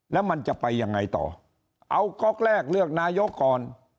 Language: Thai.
แล้วมันจะไปยังไงต่อเอาก๊อกแรกเลือกนายกก่อน